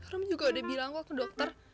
rum juga udah bilang kok to dokter